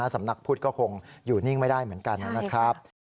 สำนักพุทธก็คงอยู่นิ่งไม่ได้เหมือนกันนะครับ